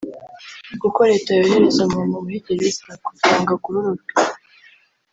kuko leta yohereza umuntu muri gereza kugira ngo agororwe